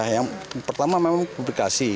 yang pertama memang publikasi